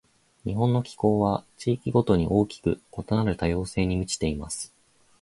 日本の気候は、地域ごとに大きく異なる多様性に満ちています。